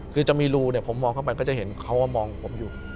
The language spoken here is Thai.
คือจะมีรูเนี่ยผมมองเข้าไปก็จะเห็นเขามองผมอยู่